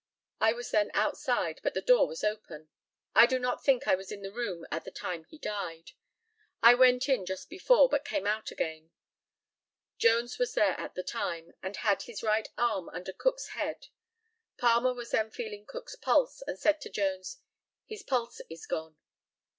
I was then outside, but the door was open. I do not think that I was in the room at the time he died. I went in just before, but came out again. Jones was there at the time, and had his right arm under Cook's head. Palmer was then feeling Cook's pulse, and said to Jones, "His pulse is gone."